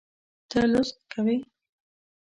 ته لوست کوې